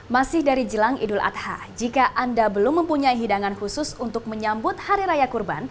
masih dari jelang idul adha jika anda belum mempunyai hidangan khusus untuk menyambut hari raya kurban